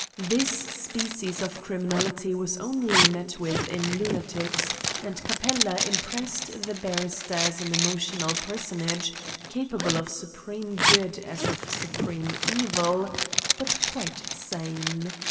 This species of criminality was only met with in lunatics, and Capella impressed the barrister as an emotional personage, capable of supreme good as of supreme evil, but quite sane.